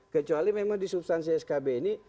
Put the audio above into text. kecuali memang di substansi skb ini